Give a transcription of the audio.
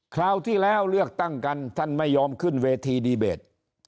คราวที่แล้วเลือกตั้งกันท่านไม่ยอมขึ้นเวทีดีเบต